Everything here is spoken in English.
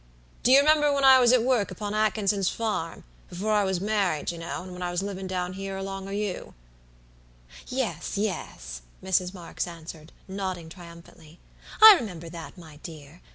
Do you remember when I was at work upon Atkinson's farm; before I was married you know, and when I was livin' down here along of you?" "Yes, yes," Mrs. Marks answered, nodding triumphantly, "I remember that, my dear.